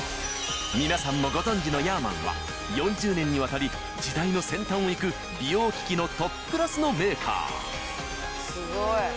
皆さんもご存じのヤーマンは４０年にわたり時代の先端を行く美容機器のトップクラスのメーカーすごい。